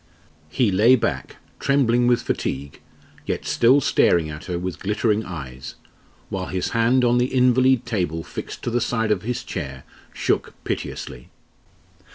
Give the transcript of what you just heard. He lay back, trembling with fatigue, yet still staring at her with glittering eyes, while his hand on the invalid table fixed to the side of his chair shook piteously.